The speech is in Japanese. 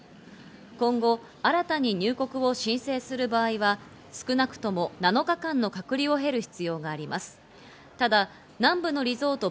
今後、新たに入国を申請する場合は、少なくとも７日間の隔離を経お天気です。